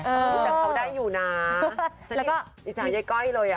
แต่เขาได้อยู่นะฉันดิจ่ายใยก้อยเลยอ่ะ